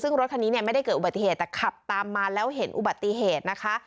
ซึ่งรถคันนี้เนี่ยไม่ได้เกิดอุบัติเหตุแต่ขับตามมาแล้วเห็นอุบัติเหตุนะคะ